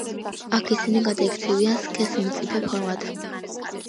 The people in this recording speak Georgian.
აქ ისინი გადაიქცევიან სქესმწიფე ფორმად.